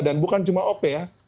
dan bukan cuma op ya